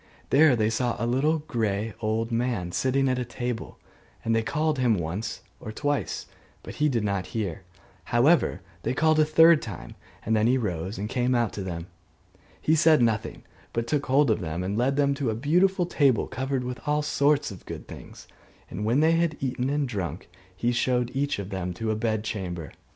There they saw a little grey old man sitting at a table; and they called to him once or twice, but he did not hear: however, they called a third time, and then he rose and came out to them. He said nothing, but took hold of them and led them to a beautiful table covered with all sorts of good things: and when they had eaten and drunk, he showed each of them to a bed chamber.